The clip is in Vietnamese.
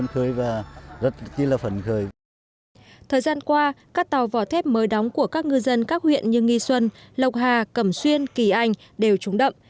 thời gian qua các tàu vỏ thép mới đóng của các ngư dân các huyện như nghi xuân lộc hà cẩm xuyên kỳ anh đều trúng đậm